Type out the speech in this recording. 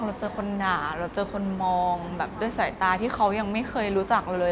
เราเจอคนด่าเราเจอคนมองแบบด้วยสายตาที่เขายังไม่เคยรู้จักเราเลย